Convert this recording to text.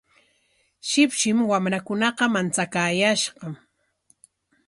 Shipshim wamrakunaqa manchakaayashqa.